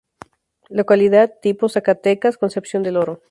Localidad tipo: Zacatecas: Concepción del Oro.